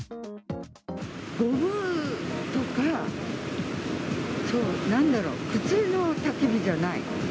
ゴムとか、なんだろう、普通のたき火じゃない。